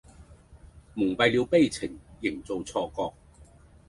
蒙蔽了悲情營造錯覺